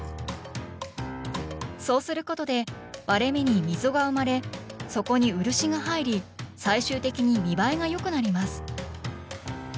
そうすることで割れ目に溝が生まれそこに漆が入り最終的に見栄えが良くなります。